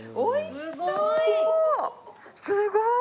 すごーい！